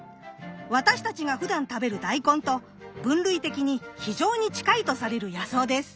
私たちがふだん食べる大根と分類的に非常に近いとされる野草です。